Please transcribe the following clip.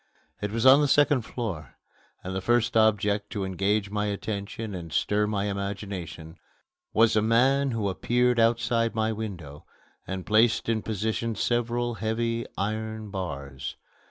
It was on the second floor; and the first object to engage my attention and stir my imagination was a man who appeared outside my window and placed in position several heavy iron bars.